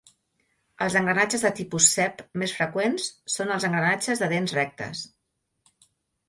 Els engranatges de tipus cep més freqüents són els engranatges de dents rectes.